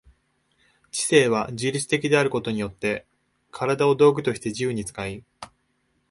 知性は自律的であることによって身体を道具として自由に使い、